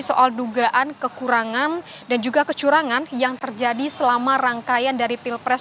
soal dugaan kekurangan dan juga kecurangan yang terjadi selama rangkaian dari pilpres dua ribu dua puluh empat